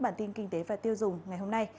bản tin kinh tế và tiêu dùng ngày hôm nay